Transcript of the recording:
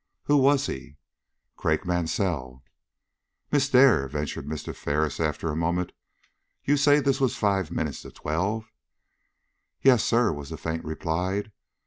"Who was he?" "Craik Mansell." "Miss Dare," ventured Mr. Ferris, after a moment, "you say this was five minutes to twelve?" "Yes, sir," was the faint reply.